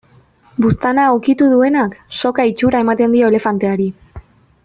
Buztana ukitu duenak, soka itxura ematen dio elefanteari.